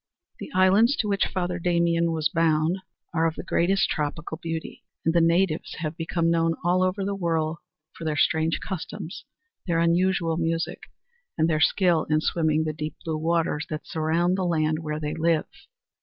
The islands to which Father Damien was bound are of the greatest tropical beauty, and the natives have become known all over the world for their strange customs, their unusual music and their skill in swimming the deep blue waters that surround the land where they live.